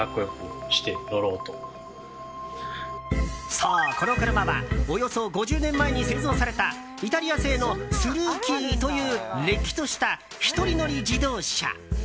そう、この車はおよそ５０年前に製造されたイタリア製のスルーキーというれっきとした１人乗り自動車。